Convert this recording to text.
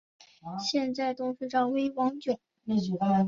现任董事长为王炯。